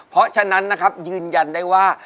เพราะฉะนั้นนะครับยืนยันได้ว่า